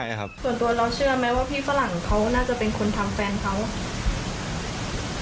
ใช่ครับส่วนตัวเราเชื่อไหมว่าพี่ฝรั่งเขาน่าจะเป็นคนทำแฟนเขา